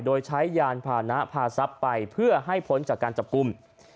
โดยใช้ยานพานะพาทรัพย์ไปเพื่อให้พ้นจากการจับกลุ่ม